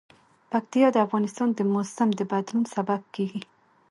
پکتیا د افغانستان د موسم د بدلون سبب کېږي.